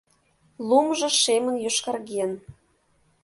Лумжо шемын йошкарген.